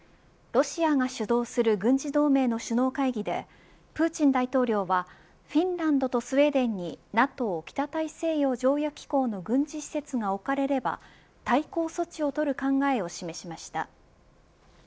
ロシアが主導する軍事同盟の首脳会議でプーチン大統領はフィンランドとスウェーデンにＮＡＴＯ北大西洋条約機構の軍事施設が置かれれば対抗措置をとる考えを示しました。